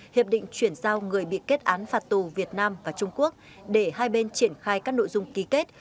hiệp định chuyển giao người bị kết án phạt tù việt nam và trung quốc để hai bên triển khai các nội dung ký kết